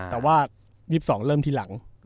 แต่ว่า๒๒เริ่มทีหลัง